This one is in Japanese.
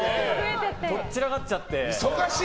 とっちらかっちゃって。